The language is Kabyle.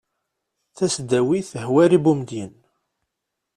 tasdawit hwari bumedyen